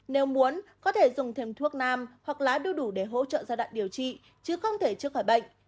nếu muốn có thể dùng thêm thuốc nam hoặc lái đưa đủ để hỗ trợ giai đoạn điều trị chứ không thể chữa khỏi bệnh